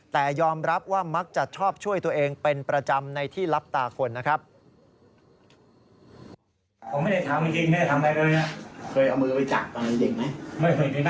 แต่ยอมรับว่ามักจะชอบช่วยตัวเองเป็นประจำในที่รับตาคนนะครับ